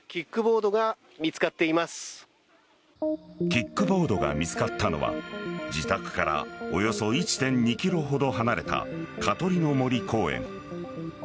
キックボードが見つかったのは自宅からおよそ１．２ｋｍほど離れた香取の杜公園。